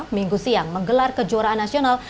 minggu siang menggelar kejuaraan nasional